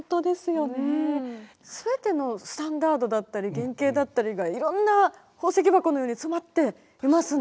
全てのスタンダードだったり原形だったりがいろんな宝石箱のように詰まっていますね。